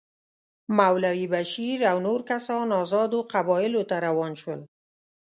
مولوي بشیر او نور کسان آزادو قبایلو ته روان شول.